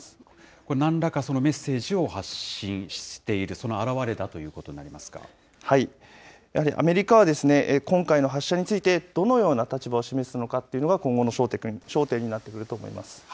これ、なんらか、そのメッセージを発信している、その表れだやはりアメリカは、今回の発射について、どのような立場を示すのかというのが今後の焦点になってくると思います。